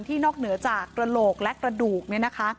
ที่นอกเหนือจากกระโหลกและกระดูก